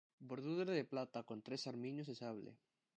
Bordura de plata, con tres armiños de sable.